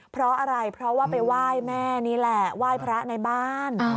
เพราะอะไรเพราะว่าไปไหว้แม่นี่แหละไหว้พระในบ้าน